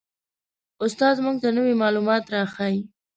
استاد موږ ته نوي معلومات را ښیي